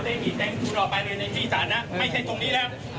คุณเอาไปเลยในพี่สานะไม่ใช่ตรงนี้แล้ว